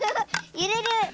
ゆれる！